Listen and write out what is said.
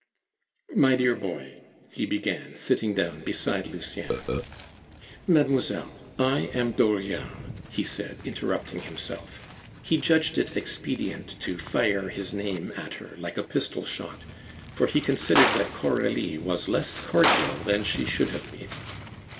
"My dear boy " he began, sitting down beside Lucien. "Mademoiselle, I am Dauriat," he said, interrupting himself. He judged it expedient to fire his name at her like a pistol shot, for he considered that Coralie was less cordial than she should have been.